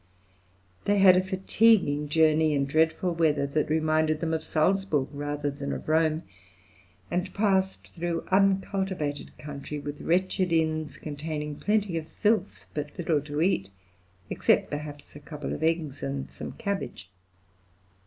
They had a fatiguing journey, in dreadful weather, that reminded them of Salzburg rather than of Rome, and passed through uncultivated country with wretched inns containing plenty of filth but little to eat, except perhaps a couple of eggs and some cabbage.